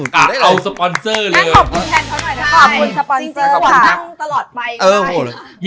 กลับเขาสปอนเซอร์เลย